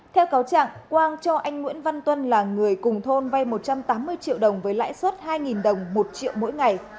theo cáo trạng quang cho anh nguyễn văn tuân là người cùng thôn vay một trăm tám mươi triệu đồng với lãi suất hai đồng một triệu mỗi ngày